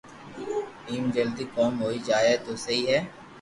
ايم جلدو ڪوم ھوئي جائين تو سھي ھي